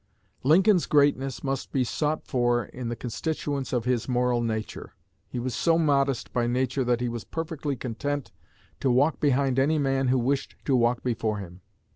"Lincoln's greatness must be sought for in the constituents of his moral nature. He was so modest by nature that he was perfectly content to walk behind any man who wished to walk before him.